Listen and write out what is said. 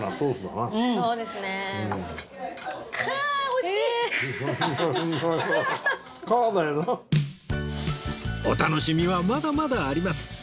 お楽しみはまだまだあります